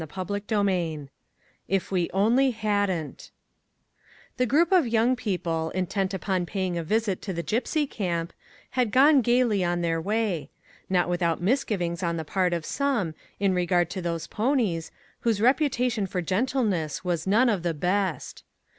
230 CHAPTER XV " IF WE ONLY HADN'T " THE group of young people, intent upon paying a visit to the gypsy camp, had gone gaily on their way; not without misgivings on the part of some, in regard to those ponies, whose reputation for gentleness was none of the best.